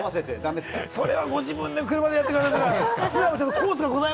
それはご自分の車でやってください。